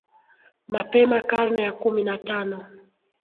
Mapema karne ya kumi na tano